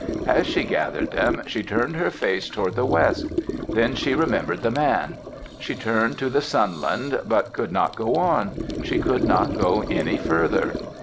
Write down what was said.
As she gathered them, she turned her face toward the west. Then she remembered the man. She turned to the Sunland but could not go on. She could not go any further.